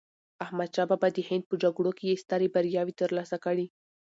احمد شاه بابا د هند په جګړو کې یې سترې بریاوې ترلاسه کړې.